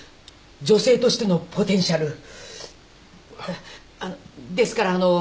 女性としてのポテンシャル。ですからあのう。